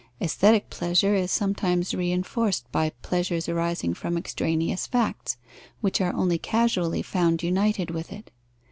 Aesthetic pleasure is sometimes reinforced by pleasures arising from extraneous facts, which are only casually found united with it.